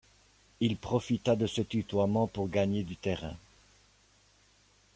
Il profita de ce tutoiement pour gagner du terrain.